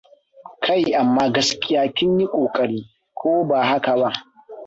Kai amma gaskiya kin yi ƙoƙari, ko ba haka ba?